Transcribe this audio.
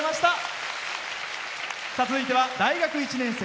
続いては大学１年生。